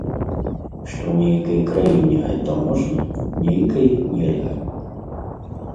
Што нейкай краіне гэта можна, нейкай нельга.